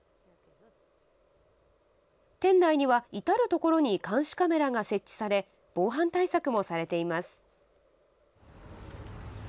店内には至る所に監視カメラが設置され、防犯対策もされています。